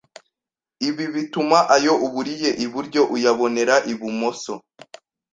Ibi bituma ayo uburiye iburyo uyabonera ibumoso